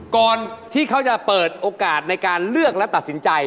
ก่อนที่เขาจะเปิดโอกาสในการเลือกและตัดสินใจ